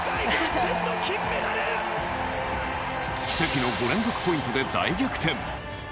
奇跡の５連続ポイントで大逆転。